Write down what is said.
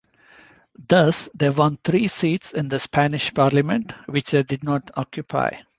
Thus, they won three seats in the Spanish Parliament, which they did not occupy.